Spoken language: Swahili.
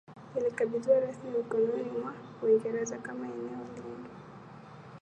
ilikabidhiwa rasmi mikononi mwa Uingereza kama eneo lindwa